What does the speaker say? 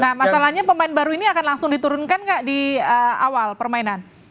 nah masalahnya pemain baru ini akan langsung diturunkan nggak di awal permainan